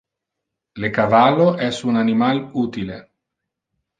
Le cavallo es un animal utile.